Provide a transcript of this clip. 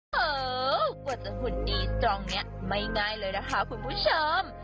โหกว่าจะหุ่นดีตรงนี้ไม่ง่ายเลยนะคะคุณผู้ชม